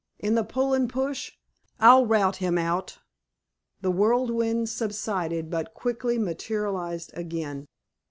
In the Pull and Push? I'll rout him out." The whirlwind subsided, but quickly materialized again.